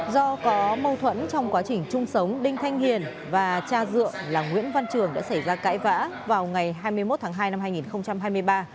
do có mâu thuẫn trong quá trình chung sống đinh thanh hiền và cha dượng là nguyễn văn trường đã xảy ra cãi vã vào ngày hai mươi một tháng hai năm hai nghìn hai mươi ba